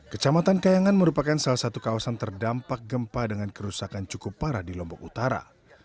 kecamatan kayangan merupakan salah satu kawasan terdampak gempa dengan kerusakan cukup parah di lombok utara